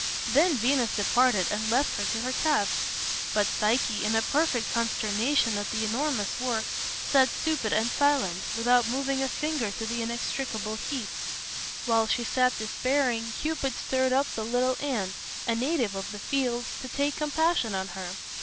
Then Venus departed and left her to her task. But Psyche, in a perfect consternation at the enormous work, sat stupid and silent, without moving a finger to the inextricable heap. While she sat despairing, Cupid stirred up the little ant, a native of the fields, to take compassion on her.